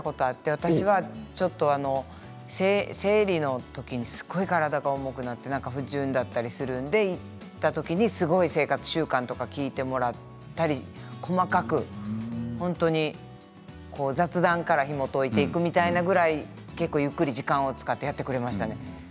私は生理のときにすごく体が重くなって不順だったりするので行ったときにすごい生活習慣とか聞いてもらったり細かく本当に雑談からひもといていくようなぐらい結構ゆっくり時間を使ってやってくれましたね。